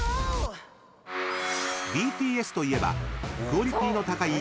［ＢＴＳといえば］